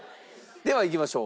ではいきましょう。